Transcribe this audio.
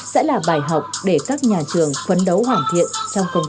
sẽ là bài học để các nhà trường phấn đấu hoàn thiện trong công tác dạy và học